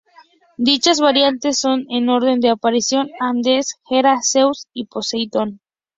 Dichas variantes son, en orden de aparición, "Hades", "Hera", "Zeus" y "Poseidón".